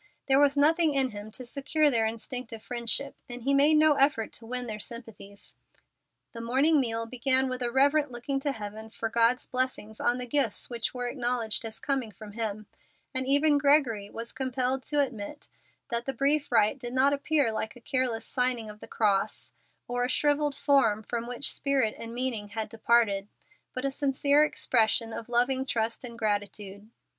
There was nothing in him to secure their instinctive friendship, and he made no effort to win their sympathies. The morning meal began with a reverent looking to heaven for God's blessing on the gifts which were acknowledged as coming from Him; and even Gregory was compelled to admit that the brief rite did not appear like a careless signing of the cross, or a shrivelled form from which spirit and meaning had departed, but a sincere expression of loving trust and gratitude.